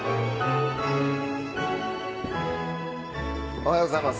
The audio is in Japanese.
おはようございます。